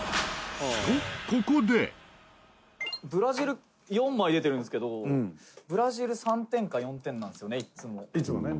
「ブラジル４枚出てるんですけどブラジル３点か４点なんですよねいつも」